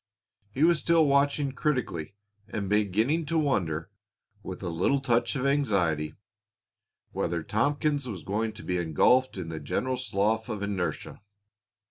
He was still watching critically and beginning to wonder, with a little touch of anxiety, whether Tompkins was going to be engulfed in the general slough of inertia.